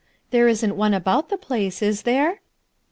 There isn't one about the place, is there?